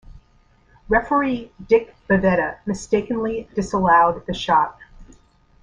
Referee Dick Bavetta mistakenly disallowed the shot.